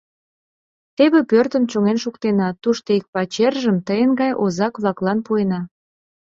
Теве пӧртым чоҥен шуктена, тушто ик пачержым тыйын гай озак-влаклан пуэна.